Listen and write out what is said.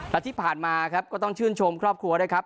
และที่ผ่านมาครับก็ต้องชื่นชมครอบครัวด้วยครับ